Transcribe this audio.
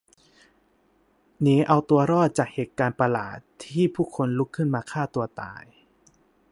หนีเอาตัวรอดจากเหตุการณ์ประหลาดที่ผู้คนลุกขึ้นมาฆ่าตัวตาย